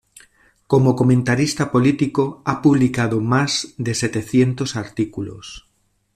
Como comentarista político ha publicado más de setecientos artículos.